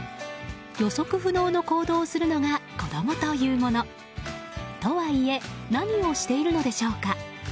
予測不能の行動をするのが子供というもの。とはいえ何をしているのでしょうか。